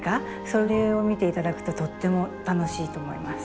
それを見て頂くととっても楽しいと思います。